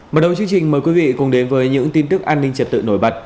mở đầu chương trình mời quý vị cùng đến với những tin tức an ninh trật tự nổi bật